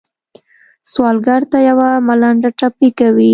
سوالګر ته یو ملنډه ټپي کوي